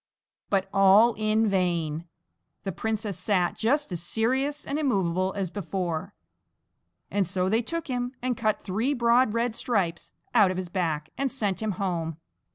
But all in vain! The princess sat just as serious and immovable as before, and so they took him and cut three broad, red stripes out of his back and sent him home.